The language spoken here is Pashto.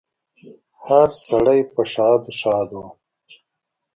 هره سړی په ښادو، ښادو